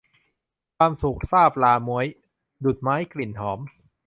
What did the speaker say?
ความสุขซาบฤๅม้วย ดุจไม้กลิ่นหอม